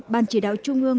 bàn chỉ đạo trung ương